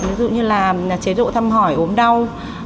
ví dụ như là chế độ thăm hỏi ốm đau